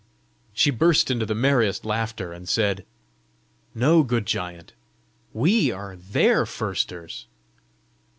She burst into the merriest laughter, and said, "No, good giant; WE are THEIR firsters."